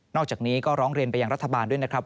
อกจากนี้ก็ร้องเรียนไปยังรัฐบาลด้วยนะครับ